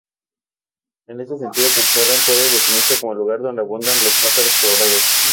En este sentido, Cuetzalan puede definirse como el "lugar donde abundan los pájaros colorados".